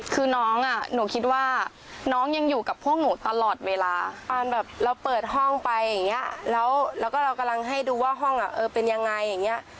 คือน้องอ่ะหนูคิดว่าน้องยังอยู่กับพวกหนูตลอดเวลาตอนแบบเราเปิดห้องไปอย่างเงี้ยแล้วแล้วก็เรากำลังให้ดูว่าห้องอ่ะเออเป็นยังไงอย่างเงี้ย